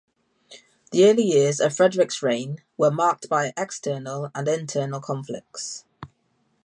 The early years of Frederick's reign were marked by external and internal conflicts.